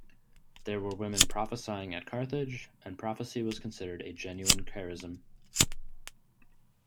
There were women prophesying at Carthage, and prophecy was considered a genuine charism.